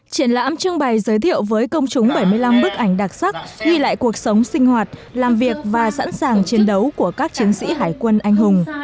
triển lãm trưng bày giới thiệu với công chúng bảy mươi năm bức ảnh đặc sắc ghi lại cuộc sống sinh hoạt làm việc và sẵn sàng chiến đấu của các chiến sĩ hải quân anh hùng